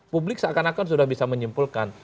publik seakan akan sudah bisa menyimpulkan